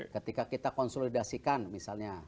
ketika kita konsolidasikan misalnya